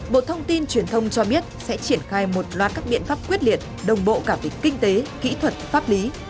bộ thông tin truyền thông cho biết sẽ triển khai một loạt các biện pháp quyết liệt đồng bộ cả về kinh tế kỹ thuật pháp lý